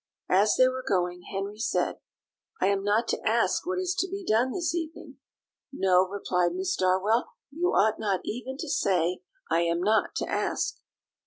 As they were going Henry said: "I am not to ask what is to be done this evening." "No," replied Miss Darwell; "you ought not even to say, 'I am not to ask.'"